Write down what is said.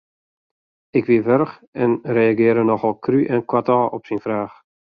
Ik wie warch en ik reagearre nochal krú en koartôf op syn fraach.